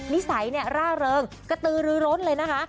นิสัยเนี่ยร่าเริงกระตือรื้อร้นเลยนะคะ